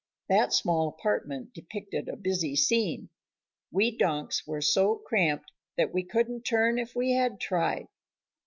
That small apartment depicted a busy scene. We donks were so cramped that we couldn't turn if we had tried.